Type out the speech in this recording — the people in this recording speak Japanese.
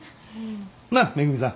なっめぐみさん。